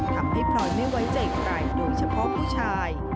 พลอยไม่ไว้ใจใครโดยเฉพาะผู้ชาย